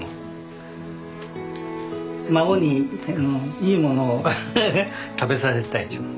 孫にいいものを食べさせたいっちゅう。